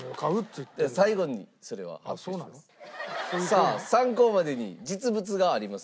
さあ参考までに実物がありますので。